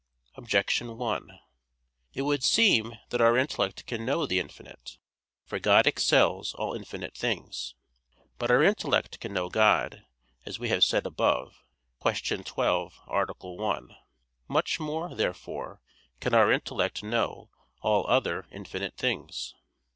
Objection 1: It would seem that our intellect can know the infinite. For God excels all infinite things. But our intellect can know God, as we have said above (Q. 12, A. 1). Much more, therefore, can our intellect know all other infinite things.